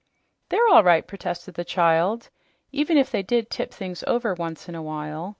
"They're all right," protested the child, "even if they did tip things over once in a while.